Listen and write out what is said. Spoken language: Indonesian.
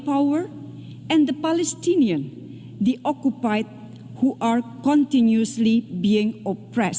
penghantaran adalah masalah utama